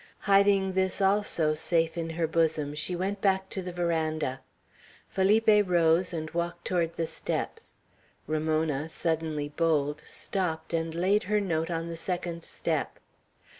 Hiding this also safe in her bosom, she went back to the veranda. Felipe rose, and walked toward the steps. Ramona, suddenly bold, stooped, and laid her note on the second step.